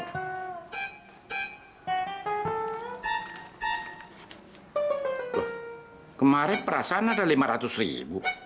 loh kemarin perasan ada lima ratus ribu